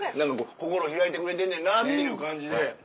心開いてくれてんねんなっていう感じで。